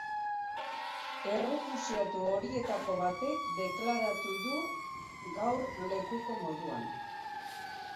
Errefuxiatu horietako batek deklaratu du gaur lekuko moduan.